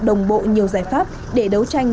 đồng bộ nhiều giải pháp để đấu tranh